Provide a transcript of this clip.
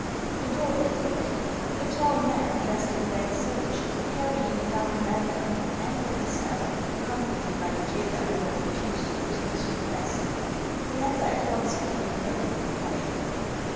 The door opened. A tall man, dressed in red serge, carrying a dark lantern, entered the cell, accompanied by the jailer who had refused the prisoner's request. The latter at once became perfectly quiet.